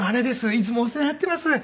いつもお世話になっています」